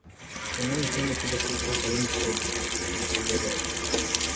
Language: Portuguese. "Eu não entendo o que você está falando sobre?", disse o deserto.